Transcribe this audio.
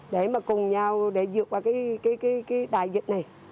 để mà cùng nhau để vượt qua cái đại dịch này